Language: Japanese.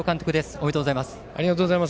ありがとうございます。